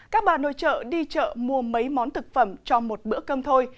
các bà nội trợ đi chợ mua mấy món thực phẩm cho một bữa cơm thôi